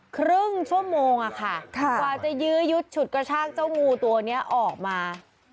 ครึ่งชั่วโมงอะค่ะกว่าจะยื้อยุดฉุดกระชากเจ้างูตัวนี้ออกมา